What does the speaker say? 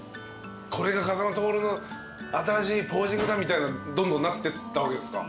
これが風間トオルの新しいポージングだみたいなどんどんなってったわけですか。